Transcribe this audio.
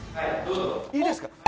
いいですか？